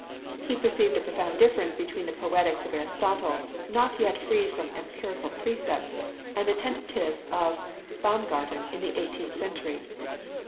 He perceived a profound difference between the "Poetics" of Aristotle, not yet freed from empirical precepts, and the tentative of Baumgarten in the eighteenth century.